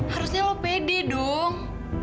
harusnya lo pede dong